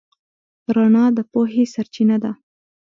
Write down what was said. رڼا د پوهې سرچینه ده.